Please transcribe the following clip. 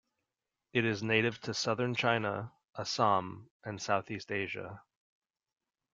It is native to southern China, Assam, and Southeast Asia.